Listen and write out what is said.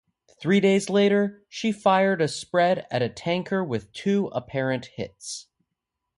Three days later, she fired a spread at a tanker with two apparent hits.